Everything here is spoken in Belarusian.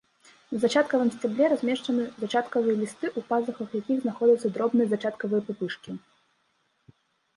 На зачаткавым сцябле размешчаны зачаткавыя лісты, у пазухах якіх знаходзяцца дробныя зачаткавыя пупышкі.